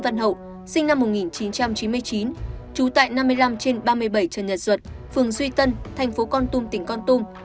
tân hậu sinh năm một nghìn chín trăm chín mươi chín trú tại năm mươi năm trên ba mươi bảy trần nhật duật phường duy tân thành phố con tung tỉnh con tung